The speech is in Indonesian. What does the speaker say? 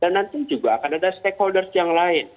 dan nanti juga akan ada stakeholders yang lain